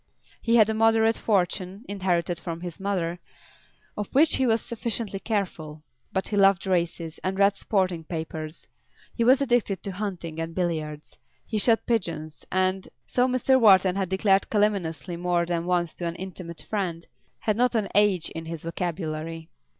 He had a moderate fortune, inherited from his mother, of which he was sufficiently careful; but he loved races, and read sporting papers; he was addicted to hunting and billiards; he shot pigeons, and, so Mr. Wharton had declared calumniously more than once to an intimate friend, had not an H in his vocabulary.